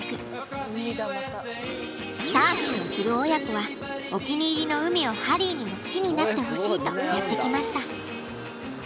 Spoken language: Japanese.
サーフィンをする親子はお気に入りの海をハリーにも好きになってほしいとやって来ました。